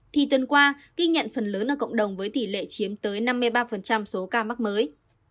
thì tuần qua ghi nhận phần lớn ở cộng đồng với tỷ lệ chiếm tới năm mươi ba số ca mắc mới